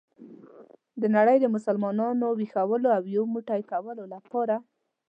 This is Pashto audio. د نړۍ د مسلمانانو ویښولو او یو موټی کولو لپاره.